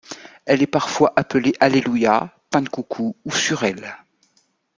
Elle est parfois appelée Alleluia, Pain-de-coucou ou Surelle.